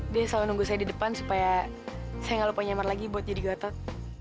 dia selalu nunggu saya di depan supaya saya gak lupa nyamar lagi buat jadi gatot